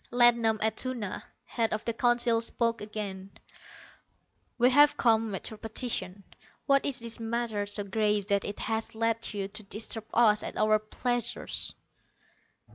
Ladnom Atuna, head of the Council, spoke again. "We have come at your petition. What is this matter so grave that it has led you to disturb us at our pleasures?"